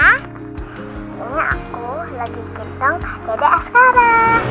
ini aku lagi pintong pada di askara